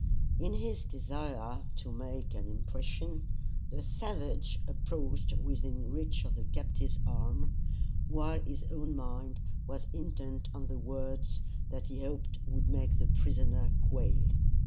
In his desire to make an impression, the savage approached within reach of the captive's arm, while his own mind was intent on the words that he hoped would make the prisoner quail.